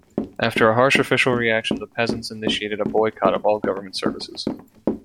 After a harsh official reaction, the peasants initiated a boycott of all government services.